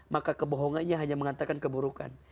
maka kebohongannya hanya mengantarkan keburukan